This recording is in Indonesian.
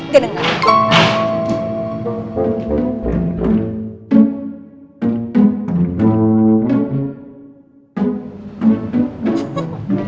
gue udah balik